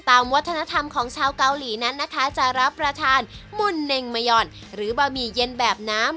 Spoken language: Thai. วัฒนธรรมของชาวเกาหลีนั้นนะคะจะรับประทานหุ่นเน่งมะยอนหรือบะหมี่เย็นแบบน้ำ